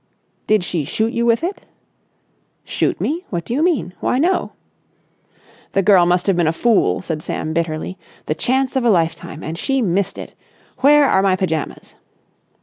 "Did she shoot you with it?" "Shoot me? What do you mean? Why, no!" "The girl must have been a fool!" said Sam bitterly. "The chance of a lifetime and she missed it. Where are my pyjamas?"